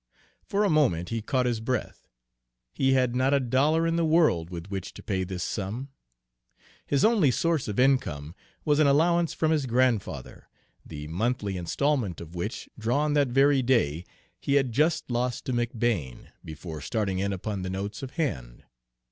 For a moment he caught his breath. He had not a dollar in the world with which to pay this sum. His only source of income was an allowance from his grandfather, the monthly installment of which, drawn that very day, he had just lost to McBane, before starting in upon the notes of hand.